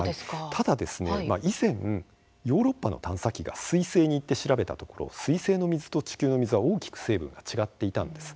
ただ、以前ヨーロッパの探査機がすい星に行って調べたところすい星の水と地球の水は大きく成分が違っていたんです。